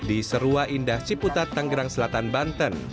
di serua indah ciputat tanggerang selatan banten